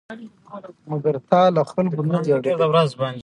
مګر تا له خلکو نه دي اورېدلي؟